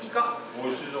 おいしいぞ。